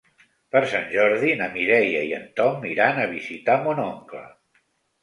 Per Sant Jordi na Mireia i en Tom iran a visitar mon oncle.